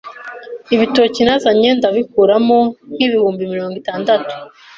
Ibitoki nazanye ndabikuramo nk’ibihumbi mirongo itandatu